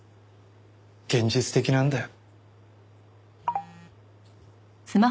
現実的なんだよ。